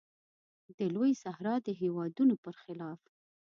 د لویې صحرا د هېوادونو پر خلاف.